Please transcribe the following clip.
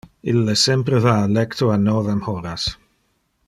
Ille sempre va al lecto a novem horas.